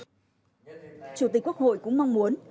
chủ tịch quốc hội cũng mong muốn